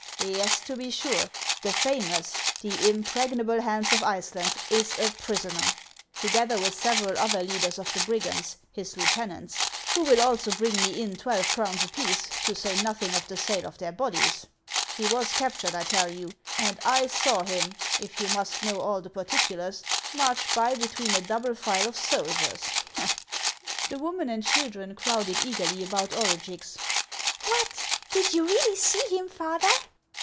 " Yes, to be sure, the famous, the impregnable Hans of Iceland is a prisoner, together with several other leaders of the brigands, his lieutenants, HANS OF ICELAND. 421 who will also bring me in twelve crowns apiece, to say nothing of the sale of their bodies. He was captured, I tell you ; and I saw him, if you must know all the particulars, march by between a double file of soldiers." The woman and children crowded eagerly about Orugix. " What ! did you really see him, father